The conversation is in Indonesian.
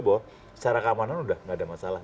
bahwa secara keamanan sudah tidak ada masalah